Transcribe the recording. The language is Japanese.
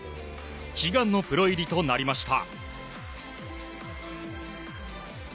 悲願のプロ入りとなりました。